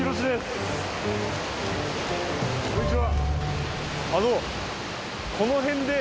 こんにちは。